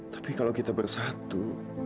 tapi kalau kita bersatu